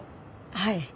はい。